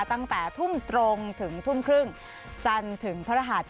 ตั้งแต่ทุ่มตรงถึงทุ่มครึ่งจันทร์ถึงพระรหัส